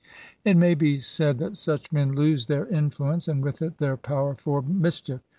It may be said, that such men lose their influence, and with it their power for mischief.